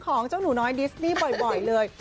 ของเจ้าหนูน้อยดิสนี่บ่อยเลย